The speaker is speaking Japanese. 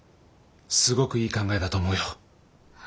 すごくいい考えだと思うよ。